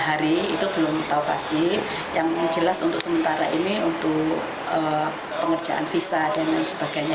hari itu belum tahu pasti yang jelas untuk sementara ini untuk pengerjaan visa dan lain sebagainya